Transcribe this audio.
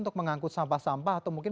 untuk mengangkut sampah sampah atau mungkin